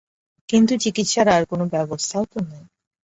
কিন্তু চিকিৎসার আর কোনো ব্যবস্থাও তো নাই।